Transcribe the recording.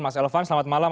mas elvan selamat malam